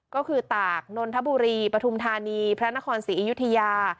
ก็คือตากนนทบุรีปฐุมธานีพระนครศรีอยุธยา